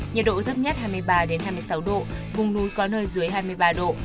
nhiệt độ thấp nhất hai mươi ba hai mươi sáu độ vùng núi có nơi dưới hai mươi ba độ